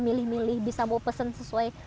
milih milih bisa mau pesen sesuai